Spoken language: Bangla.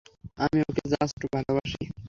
আমি ওকে জাস্ট ভালবাসি।